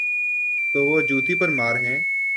تو وہ جوتی پرمار ہیں۔